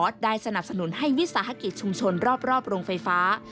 ได้สนับสนุนให้วิสาหกิจชุมชนรอบโรงไฟฟ้า